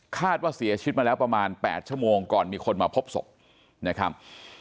คาดว่าเสียชีวิตมาแล้วประมาณ๘ชั่วโมงก่อนมีคนมาพบศพนะครับ